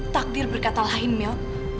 takdir berkata lain milo